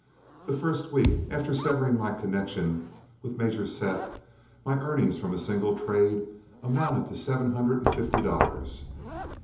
The first week after severing my connection with Major Seth my earnings from a single trade amounted to seven hundred and fifty dollars.